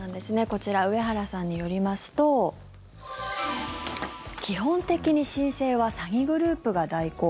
こちら、上原さんによりますと基本的に申請は詐欺グループが代行。